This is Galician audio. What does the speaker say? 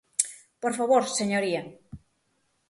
¡Por favor, señoría!